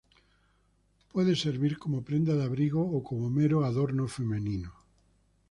Puede servir como prenda de abrigo o como mero adorno femenino.